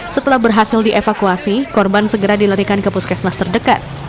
setelah berhasil dievakuasi korban segera dilarikan ke puskesmas terdekat